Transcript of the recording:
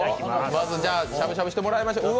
まずしゃぶしゃぶしてもらいましょう。